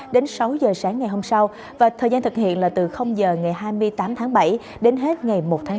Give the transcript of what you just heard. đến sáu giờ sáng ngày hôm sau và thời gian thực hiện là từ h ngày hai mươi tám tháng bảy đến hết ngày một tháng chín